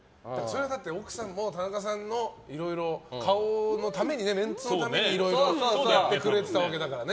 奥さんも田中さんのいろいろ顔のために、メンツのためにやってくれてたわけだから。